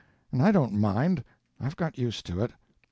And I don't mind—I've got used to it.